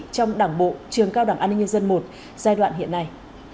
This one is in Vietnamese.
trong đảng bộ trường cao đảng an ninh nhân dân i giai đoạn hiện nay